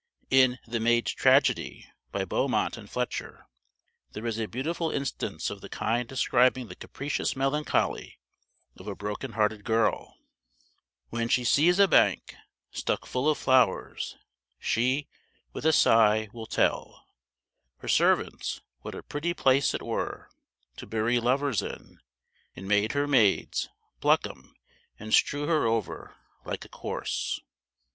In The Maid's Tragedy, by Beaumont and Fletcher, there is a beautiful instance of the kind describing the capricious melancholy of a broken hearted girl: When she sees a bank Stuck full of flowers, she, with a sigh, will tell Her servants, what a pretty place it were To bury lovers in; and made her maids Bluck 'em, and strew her over like a corse.